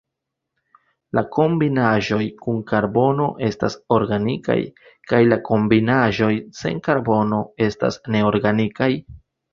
La kombinaĵoj kun karbono estas organikaj, kaj la kombinaĵoj sen karbono estas neorganikaj.